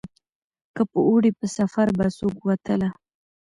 که په اوړي په سفر به څوک وتله